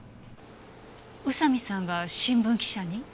宇佐見さんが新聞記者に？